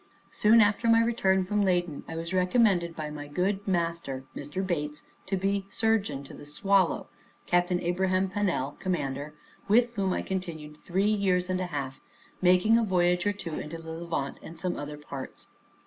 Soon after my return from Leyden, I was recommended by my good master, Mr. Bates, to be surgeon to the Swallow, Captain Abraham Pannell, commander; with whom I continued three years and a half, making a voyage or two into the Levant, and some other parts.